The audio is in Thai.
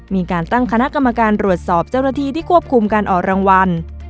มีการตั้งคณะกรรมการรวดสอบเจ้าหน้าที่ที่ควบคุมการออกรางวัล